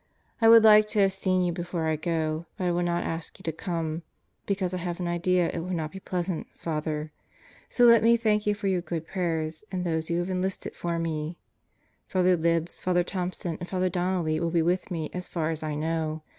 ... I would like to have seen you before I go, but I will not ask you to come; because I have an idea it will not be pleasant, Father. So let me thank you for your good prayers and those you have enlisted for me. ... Father Libs, Father Thompson, and Father Donnelly will be with me as far as I know.